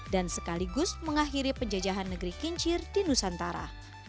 dan sekaligus mengakhiri penjajahan negeri kincir di nusantara